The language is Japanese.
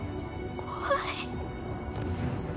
怖い。